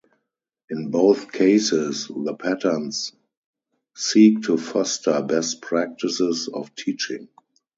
In both cases, the patterns seek to foster best practices of teaching.